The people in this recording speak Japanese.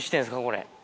これ？